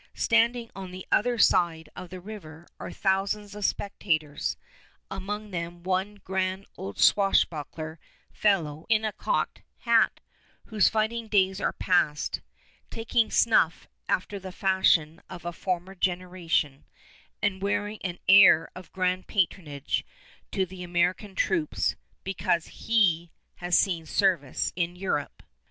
Standing on the other side of the river are thousands of spectators, among them one grand old swashbuckler fellow in a cocked hat, whose fighting days are past, taking snuff after the fashion of a former generation and wearing an air of grand patronage to the American troops because he has seen service in Europe.